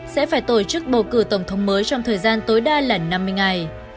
sẽ phải tổ chức bầu cử tổng thống mới trong thời gian tối đa là năm mươi ngày